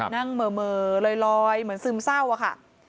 นั่งเหม่อลอยเหมือนซึมเศร้าอะค่ะ